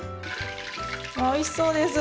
おいしそうです。